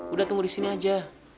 udah tunggu disini aja